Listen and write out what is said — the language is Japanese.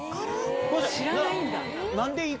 知らないんだ。